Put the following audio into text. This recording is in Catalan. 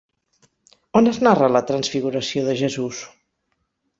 On es narra la transfiguració de Jesús?